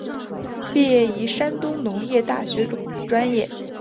毕业于山东农业大学种子专业。